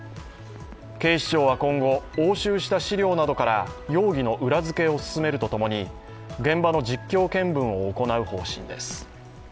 警視庁は今後、押収した資料などから容疑の裏付けを進めるとともに、現場の実況見分を行う方針です。